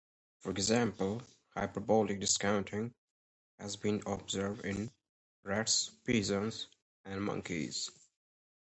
For example, hyperbolic discounting has been observed in rats, pigeons, and monkeys.